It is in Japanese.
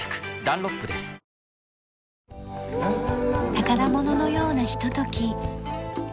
宝物のようなひととき。